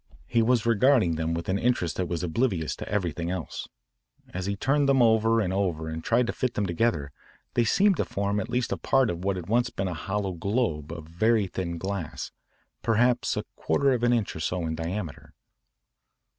He was regarding them with an interest that was oblivious to everything else. As he turned them over and over and tried to fit them together they seemed to form at least a part of what had once been a hollow globe of very thin glass, perhaps a quarter of an inch or so in diameter.